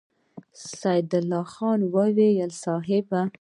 سيدال خان وويل: صېب!